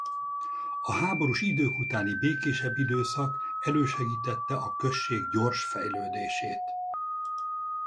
A háborús idők utáni békésebb időszak elősegítette a község gyors fejlődését.